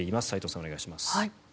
斎藤さん、お願いします。